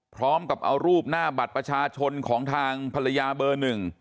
พร้อมกับเอารูปหน้าบัตรประชาชนของทางภรรยาเบอร์หนึ่ง